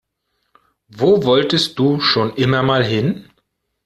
Wo wolltest du schon immer mal hin?